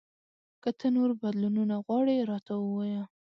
که ته نور بدلونونه غواړې، راته ووایه !